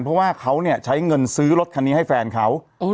เพราะว่าเขาเนี่ยใช้เงินซื้อรถคันนี้ให้แฟนเขา